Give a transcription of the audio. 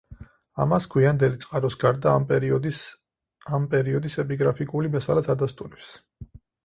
ამას, გვიანდელი წყაროს გარდა, ამ პერიოდის ამ პერიოდის ეპიგრაფიკული მასალაც ადასტურებს.